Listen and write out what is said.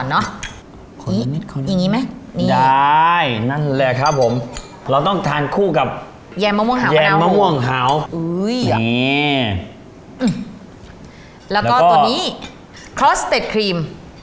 ได้นั่นแหละครับผมเราต้องทานคู่กับแยมม่วงหาวมะนาโหแยมม่วงหาวนี่แล้วก็ตัวนี้ครอสเต็ดครีม